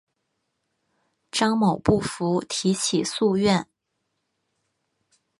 张某不服提起诉愿。